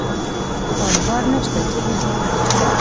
کاروبار نشته، جیب مې خالي دی.